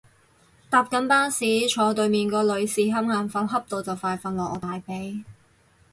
搭緊巴士，坐對面個女士恰眼瞓恰到就快瞓落我大髀